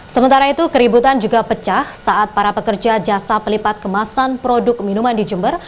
sementara itu keributan juga pecah saat para pekerja jasa pelipat kemasan produk minuman di jember